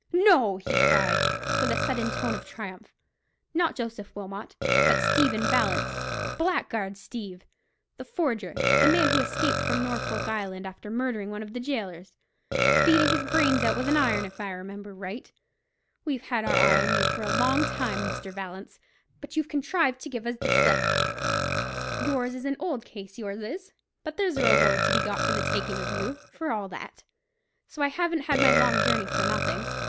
"No," he cried, with a sudden tone of triumph, "not Joseph Wilmot, but Stephen Vallance—Blackguard Steeve, the forger—the man who escaped from Norfolk Island, after murdering one of the gaolers—beating his brains out with an iron, if I remember right. We've had our eye on you for a long time, Mr. Vallance; but you've contrived to give us the slip. Yours is an old case, yours is; but there's a reward to be got for the taking of you, for all that. So I haven't had my long journey for nothing."